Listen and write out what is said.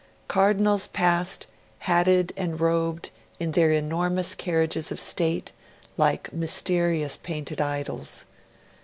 Cardinals passed, hatted and robed, in their enormous carriage of state, like mysterious painted idols.